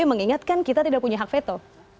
mengingatkan kita tidak punya hak veto